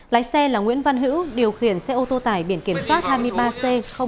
lái xe là nguyễn văn hữu điều khiển xe ô tô tải biển kiểm soát hai mươi ba c hai nghìn một trăm một mươi bốn